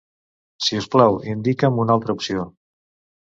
Si us plau, indica'm una altra opció.